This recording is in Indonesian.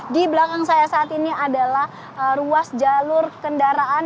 di belakang saya saat ini adalah ruas jalur kendaraan